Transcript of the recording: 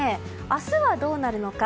明日は、どうなるのか。